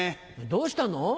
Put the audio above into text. どうしたの？